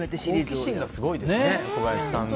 好奇心がすごいですね小林さんの。